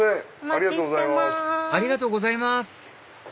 ありがとうございます